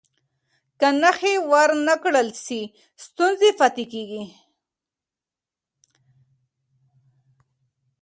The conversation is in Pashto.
که نښې ور نه کړل سي، ستونزه پاتې کېږي.